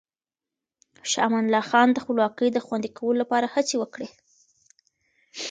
شاه امان الله خان د خپلواکۍ د خوندي کولو لپاره هڅې وکړې.